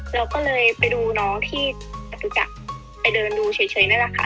เราก็เลยไปดูน้องที่จตุจักรไปเดินดูเฉยนั่นแหละค่ะ